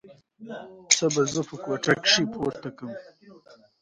څه به زه په کوټه کښې پورکم.